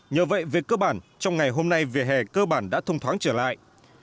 nhờ vậy về cơ bản trong ngày hôm nay về hè cơ bản đã thông thoáng trở lại